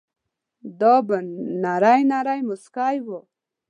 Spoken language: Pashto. دای به نری نری مسکی و.